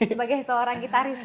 sebagai seorang gitaris